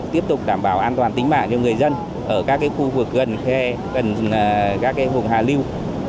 tiếp tục đảm bảo an toàn tính mạng cho người dân ở các khu vực gần các hùng hà liêu